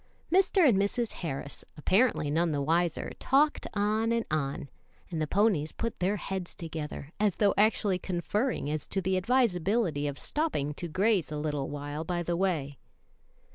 Mr. and Mrs. Harris, apparently none the wiser, talked on and on, and the ponies put their heads together, as though actually conferring as to the advisability of stopping to graze a little while by the way.